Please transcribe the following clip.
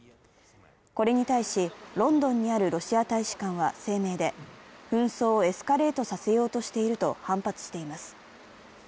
これに対し、ロンドンにあるロシア大使館は声明で、紛争をエスカレートさせようとしていると反発しています。